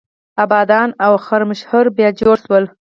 ابادان او خرمشهر بیا جوړ شول.